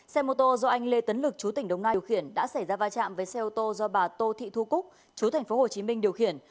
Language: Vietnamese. xe mô tô do anh lê tấn lực chú tỉnh đồng nai điều khiển đã xảy ra va chạm với xe ô tô do bà tô thị thu cúc chú tp hcm điều khiển